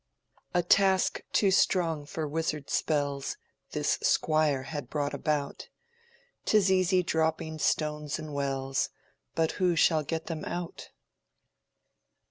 "A task too strong for wizard spells This squire had brought about; 'T is easy dropping stones in wells, But who shall get them out?"